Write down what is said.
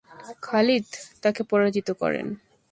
খালিদ তাকে পরাজিত করেন।